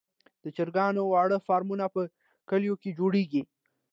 د چرګانو واړه فارمونه په کليو کې جوړیږي.